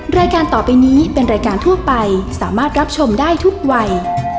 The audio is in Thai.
รายการต่อไปนี้เป็นรายการทั่วไปสามารถรับชมได้ทุกวัย